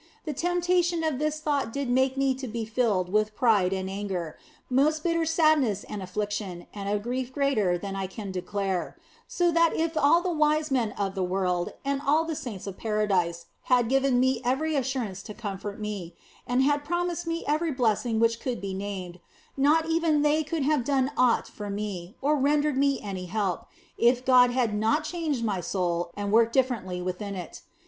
The temptation of this thought did make me to be rilled with pride and anger, most bitter sadness and affliction and a grief greater than I can declare, so that if all the wise men of the world and all the saints of paradise had given me every assurance to comfort me and had pro mised me every blessing which could be named, not even they could have done aught for me or rendered me any help, if God had not changed my soul and worked differently within it.